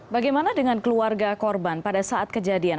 bagaimana dengan keluarga korban pada saat kejadian